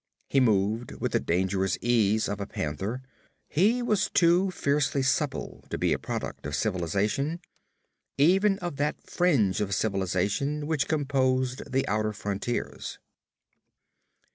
He moved with the dangerous ease of a panther; he was too fiercely supple to be a product of civilization, even of that fringe of civilization which composed the outer frontiers.